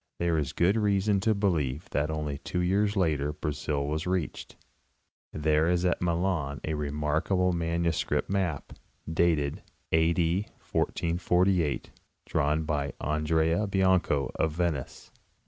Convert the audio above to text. There is good reason to believe that only two years later Brazil was reached. There is at Milan a remarkable manu script map, dated A. D. 1448, drawn by Andrea Bianco, of Venice.